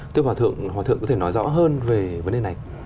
thưa hòa thượng hòa thượng có thể nói rõ hơn về vấn đề này